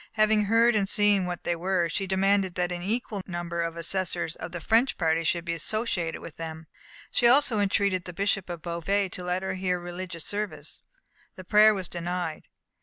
Having heard and seen what they were, she demanded that an equal number of assessors of the French party should be associated with them. She also entreated the Bishop of Beauvais to let her hear religious service. The prayer was denied.